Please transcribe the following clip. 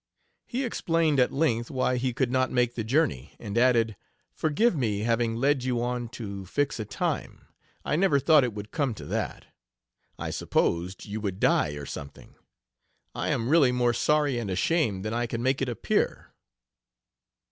He explained at length why he could not make the journey, and added: "Forgive me having led you on to fix a time; I never thought it would come to that; I supposed you would die, or something. I am really more sorry and ashamed than I can make it appear."